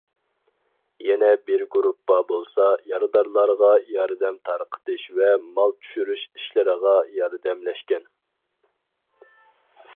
يەنە بىر گۇرۇپپا بولسا يارىدارلارغا ياردەم تارقىتىش ۋە مال چۈشۈرۈش ئىشلىرىغا ياردەملەشكەن.